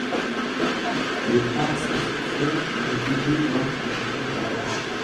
De par ces succès, elle publie donc un premier album.